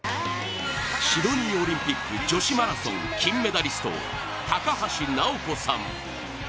シドニーオリンピック女子マラソン金メダリスト・高橋尚子さん。